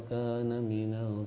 kisah hidupnya yang terbaik